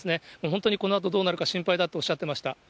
本当にこのあとどうなるか心配だとおっしゃってました。